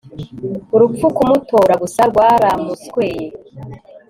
Urupfu kumutora gusa rwaramusweye